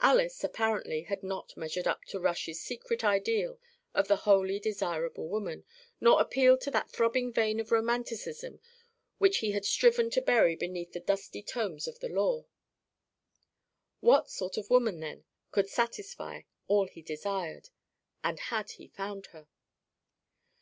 Alys, apparently, had not measured up to Rush's secret ideal of the wholly desirable woman, nor appealed to that throbbing vein of romanticism which he had striven to bury beneath the dusty tomes of the law. What sort of woman, then, could satisfy all he desired? And had he found her?